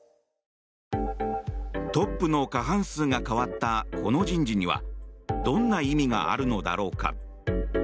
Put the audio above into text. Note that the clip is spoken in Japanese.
トップの過半数が代わったこの人事にはどんな意味があるのだろうか。